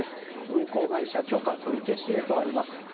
運航会社許可取り消しへとあります。